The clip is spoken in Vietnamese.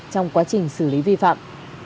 trong quá trình xử lý vi phạm